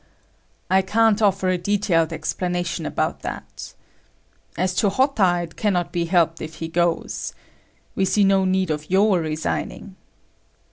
"I can't offer a detailed explanation about that……as to Hotta, it cannot be helped if he goes…… ……we see no need of your resigning."